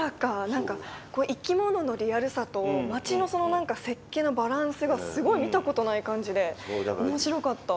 何か生き物のリアルさと町のその設計のバランスがすごい見たことない感じで面白かった。